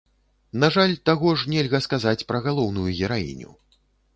На жаль, таго ж нельга сказаць пра галоўную гераіню.